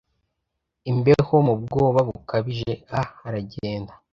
imbeho, mu bwoba bukabije, Ah! aragenda!